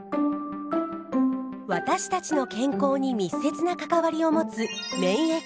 私たちの健康に密接な関わりを持つ免疫。